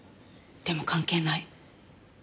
でも関係ない。